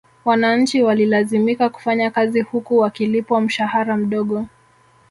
Wananchi walilazimika kufanya kazi huku wakilipwa mshahara mdogo